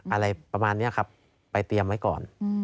อะไรประมาณนี้ครับไปเตรียมไว้ก่อน